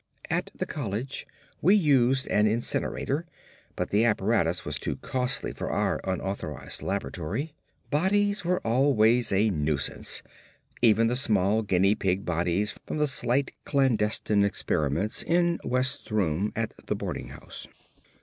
At the college we used an incinerator, but the apparatus was too costly for our unauthorised laboratory. Bodies were always a nuisance—even the small guinea pig bodies from the slight clandestine experiments in West's room at the boarding house.